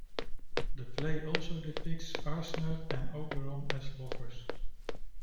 The play also depicts Arzner and Oberon as lovers.